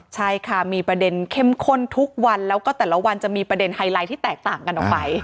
ใช่ค่ะมีประเด็นเข้มข้นทุกวันแล้วก็แต่ละวันจะมีประเด็นไฮไลท์ที่แตกต่างกันออกไป